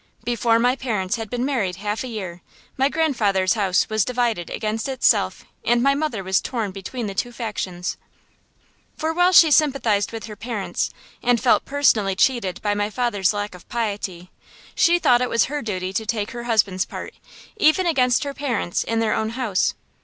Before my parents had been married half a year, my grandfather's house was divided against itself and my mother was torn between the two factions. For while she sympathized with her parents, and felt personally cheated by my father's lack of piety, she thought it was her duty to take her husband's part, even against her parents, in their own house.